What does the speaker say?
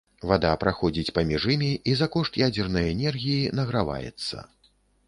Вада праходзіць паміж імі і за кошт ядзернай энергіі награваецца.